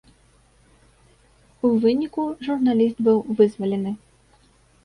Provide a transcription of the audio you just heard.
У выніку, журналіст быў вызвалены.